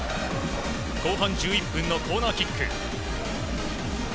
後半１１分のコーナーキック。